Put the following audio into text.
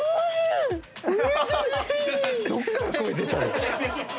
・どっから声出たの⁉